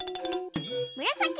むらさき。